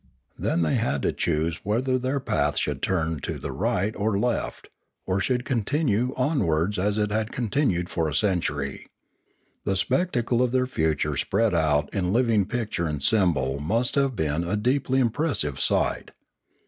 Then they had to choose whether their path should turn to the right or left, or should continue onwards as it had continued for a century. The spectacle of their future spread out in living picture and symbol must have been a deeply im pressive sight.